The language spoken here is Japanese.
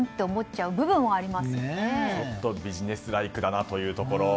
ちょっとビジネスライクだなというところ。